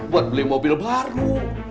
buat beli mobil baru